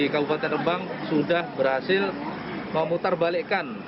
kabupaten rembang sudah berhasil memutar balikkan satu empat ratus empat puluh kendaraan